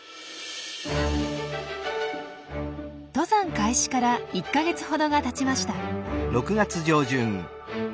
登山開始から１か月ほどがたちました。